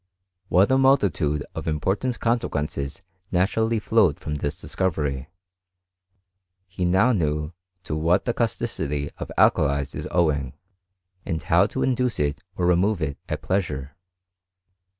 What a multitude' of important {quences naturally flowed from this discovery ! He knew to what the causticity of alkalies is owing, 10 w to induce it or remove it at pleasure.